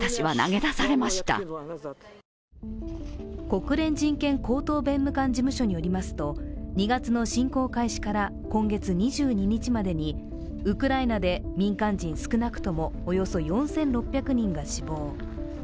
国連人権高等弁務官事務所によりますと、２月の侵攻開始から今月２２日までにウクライナで民間人少なくともおよそ４６００人が死亡。